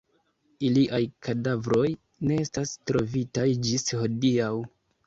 Iliaj kadavroj ne estas trovitaj ĝis hodiaŭ.